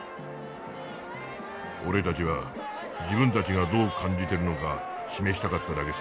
「俺たちは自分たちがどう感じてるのか示したかっただけさ。